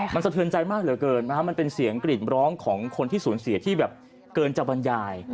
มันสะเทือนใจมากเหลือเกินนะครับมันเป็นเสียงกลิ่นร้องของคนที่สูญเสียที่แบบเกินจะบรรยาย